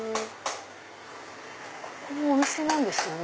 ここお店なんですよね。